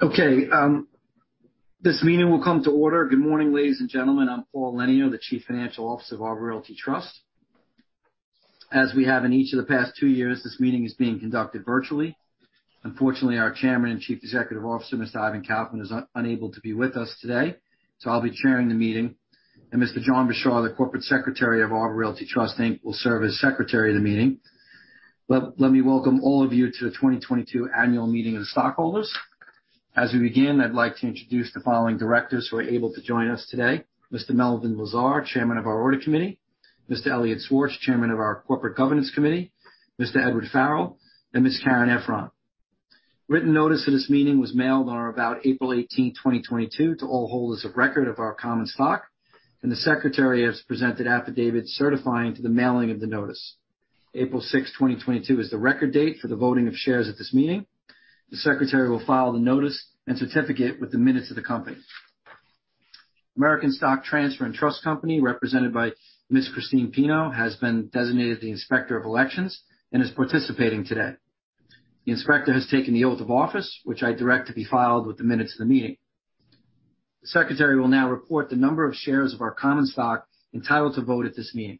Okay, this meeting will come to order. Good morning, ladies and gentlemen. I'm Paul Elenio, the Chief Financial Officer of Arbor Realty Trust. As we have in each of the past two years, this meeting is being conducted virtually. Unfortunately, our Chairman and Chief Executive Officer, Mr. Ivan Kaufman, is unable to be with us today, so I'll be chairing the meeting. Mr. John Bishar, the Corporate Secretary of Arbor Realty Trust, Inc., will serve as secretary of the meeting. Let me welcome all of you to the 2022 annual meeting of stockholders. As we begin, I'd like to introduce the following directors who are able to join us today. Mr. Melvin Lazar, Chairman of our Audit Committee, Mr. Elliot Schwartz, Chairman of our Corporate Governance Committee, Mr. Edward Farrell, and Ms. Caryn Effron. Written notice of this meeting was mailed on or about April 18, 2022 to all holders of record of our common stock, and the secretary has presented affidavits certifying to the mailing of the notice. April 6, 2022 is the record date for the voting of shares at this meeting. The secretary will file the notice and certificate with the minutes of the company. American Stock Transfer & Trust Company, represented by Ms. Christine Pino, has been designated the Inspector of Elections and is participating today. The inspector has taken the oath of office, which I direct to be filed with the minutes of the meeting. The secretary will now report the number of shares of our common stock entitled to vote at this meeting.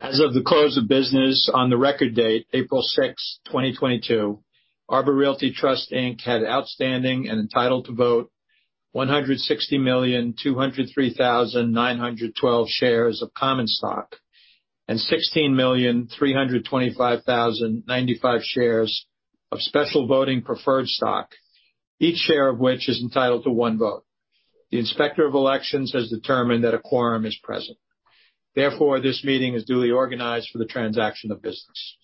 As of the close of business on the record date, April 6th, 2022, Arbor Realty Trust, Inc. had outstanding and entitled to vote 160,203,912 shares of common stock, and 16,325,095 shares of special voting preferred stock, each share of which is entitled to one vote. The Inspector of Elections has determined that a quorum is present. Therefore, this meeting is duly organized for the transaction of business.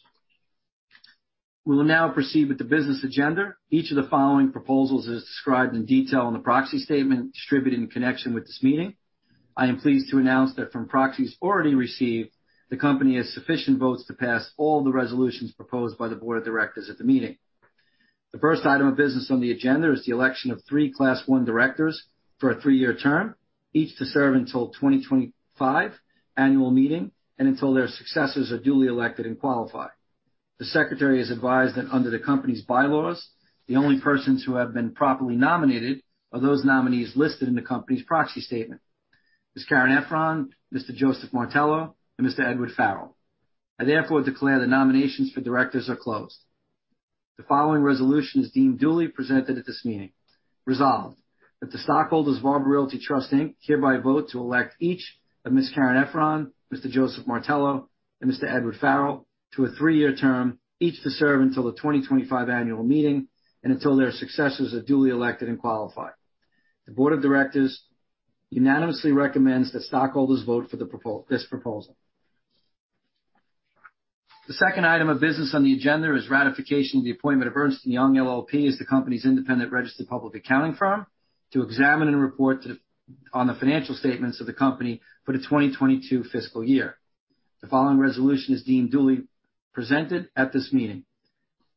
We will now proceed with the business agenda. Each of the following proposals is described in detail in the proxy statement distributed in connection with this meeting. I am pleased to announce that from proxies already received, the company has sufficient votes to pass all the resolutions proposed by the board of directors at the meeting. The first item of business on the agenda is the election of three Class One directors for a three-year term, each to serve until 2025 annual meeting and until their successors are duly elected and qualified. The secretary is advised that under the company's bylaws, the only persons who have been properly nominated are those nominees listed in the company's proxy statement. Ms. Caryn Effron, Mr. Joseph Martello, and Mr. Edward Farrell. I therefore declare the nominations for directors are closed. The following resolution is deemed duly presented at this meeting. Resolved, that the stockholders of Arbor Realty Trust Inc. hereby vote to elect each of Ms. Caryn Effron, Mr. Joseph Martello, and Mr. Edward Farrell to a 3-year term, each to serve until the 2025 annual meeting and until their successors are duly elected and qualified. The board of directors unanimously recommends that stockholders vote for this proposal. The second item of business on the agenda is ratification of the appointment of Ernst & Young LLP as the company's independent registered public accounting firm to examine and report on the financial statements of the company for the 2022 fiscal year. The following resolution is deemed duly presented at this meeting.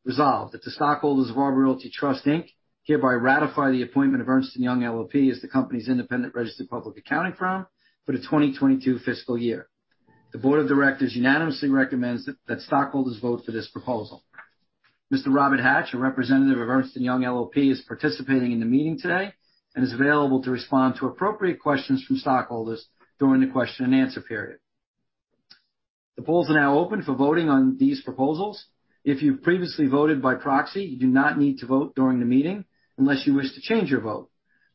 Resolved, that the stockholders of Arbor Realty Trust Inc. hereby ratify the appointment of Ernst & Young LLP as the company's independent registered public accounting firm for the 2022 fiscal year. The board of directors unanimously recommends that stockholders vote for this proposal. Mr. Robert Hatch, a representative of Ernst & Young LLP, is participating in the meeting today and is available to respond to appropriate questions from stockholders during the question and answer period. The polls are now open for voting on these proposals. If you've previously voted by proxy, you do not need to vote during the meeting unless you wish to change your vote.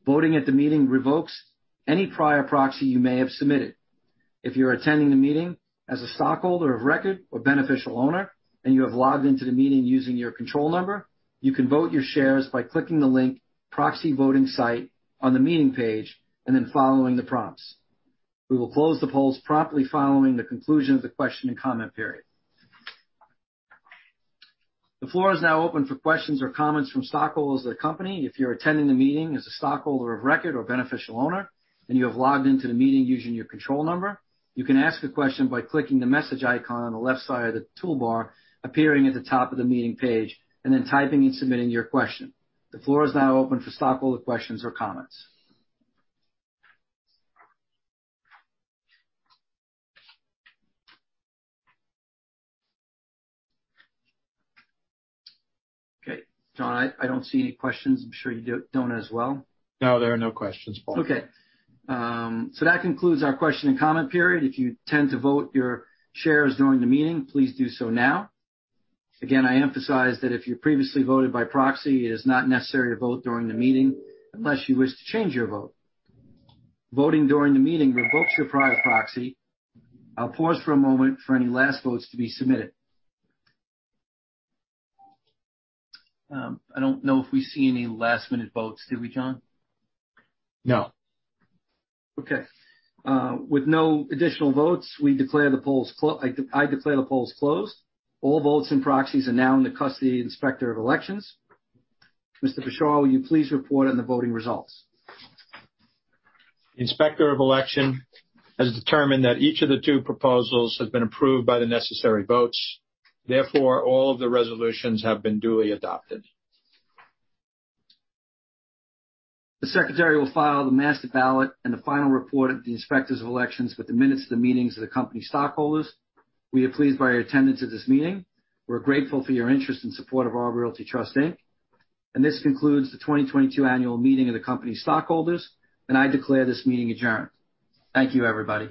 Voting at the meeting revokes any prior proxy you may have submitted. If you're attending the meeting as a stockholder of record or beneficial owner, and you have logged into the meeting using your control number, you can vote your shares by clicking the link Proxy Voting Site on the meeting page and then following the prompts. We will close the polls promptly following the conclusion of the question and comment period. The floor is now open for questions or comments from stockholders of the company. If you're attending the meeting as a stockholder of record or beneficial owner, and you have logged into the meeting using your control number, you can ask a question by clicking the message icon on the left side of the toolbar appearing at the top of the meeting page and then typing and submitting your question. The floor is now open for stockholder questions or comments. Okay. John, I don't see any questions. I'm sure you don't as well. No, there are no questions, Paul. Okay. That concludes our question and comment period. If you intend to vote your shares during the meeting, please do so now. Again, I emphasize that if you previously voted by proxy, it is not necessary to vote during the meeting unless you wish to change your vote. Voting during the meeting revokes your prior proxy. I'll pause for a moment for any last votes to be submitted. I don't know if we see any last-minute votes. Do we, John? No. Okay. With no additional votes, I declare the polls closed. All votes and proxies are now in the custody of the Inspector of Elections. Mr. Bishar, will you please report on the voting results? The Inspector of Elections has determined that each of the two proposals have been approved by the necessary votes. Therefore, all of the resolutions have been duly adopted. The secretary will file the master ballot and the final report of the Inspectors of Elections with the minutes of the meetings of the company stockholders. We are pleased by your attendance at this meeting. We're grateful for your interest and support of Arbor Realty Trust, Inc. This concludes the 2022 annual meeting of the company stockholders, and I declare this meeting adjourned. Thank you, everybody.